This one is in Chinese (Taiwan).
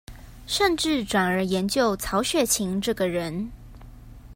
甚至轉而研究曹雪芹這個人